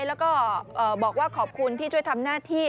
แล้วก็บอกว่าขอบคุณที่ช่วยทำหน้าที่